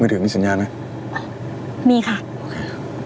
มือถือกนี่สัญญาเนอะอ่ามีค่ะโอเค